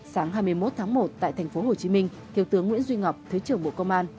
sáng hai mươi một tháng một tại tp hcm thiếu tướng nguyễn duy ngọc thứ trưởng bộ công an